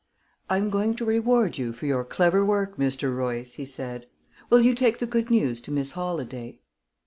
"I'm going to reward you for your clever work, Mr. Royce," he said. "Will you take the good news to Miss Holladay?"